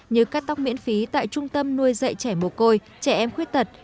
như cắt tóc miễn phí tại trung tâm nuôi dạy trẻ mồ côi trẻ em khuyết tật